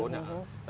juga semakin turun ya